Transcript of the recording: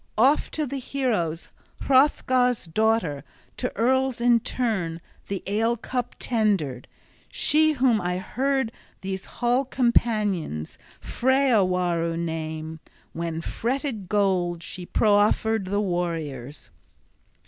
Oft to the heroes Hrothgar's daughter, to earls in turn, the ale cup tendered, she whom I heard these hall companions Freawaru name, when fretted gold she proffered the warriors.